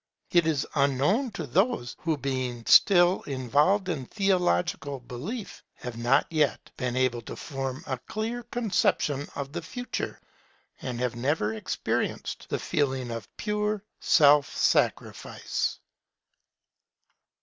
It is unknown to those who being still involved in theological belief, have not been able to form a clear conception of the Future, and have never experienced the feeling of pure self sacrifice.